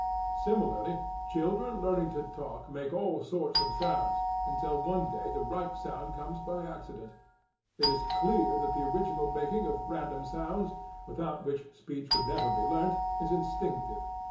Similarly, children learning to talk make all sorts of sounds, until one day the right sound comes by accident. It is clear that the original making of random sounds, without which speech would never be learnt, is instinctive.